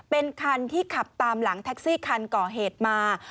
เป็นคันที่ขับตามหลังแท็กซี่คันก่อเหตุมา